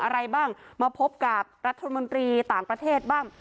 อะไรบ้างมาพบกับรัฐมนตรีต่างประเทศบ้าง